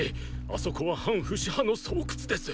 あそこは反フシ派の巣窟です！